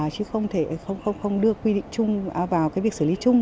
chứ không đưa quy định chung vào việc xử lý chung